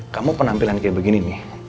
kamu penampilan kayak begini nih